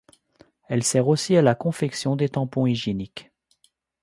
Elle sert aussi à la confection des tampons hygiéniques.